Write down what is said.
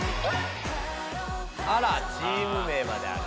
あらチーム名まである。